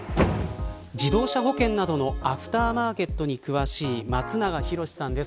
自動車保険などのアフターマーケットに詳しい松永博司さんです。